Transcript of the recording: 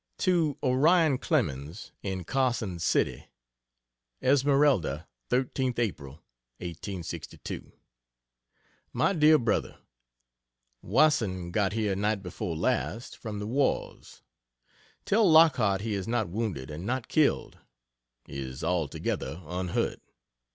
To Orion Clemens, in Carson City: ESMERALDA, 13th April, 1862. MY DEAR BROTHER, Wasson got here night before last "from the wars." Tell Lockhart he is not wounded and not killed is altogether unhurt.